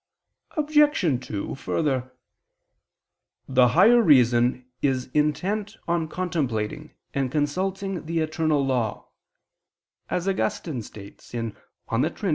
Obj. 2: Further, "the higher reason is intent on contemplating and consulting the eternal law," as Augustine states (De Trin.